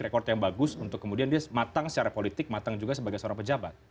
rekod yang bagus untuk kemudian dia matang secara politik matang juga sebagai seorang pejabat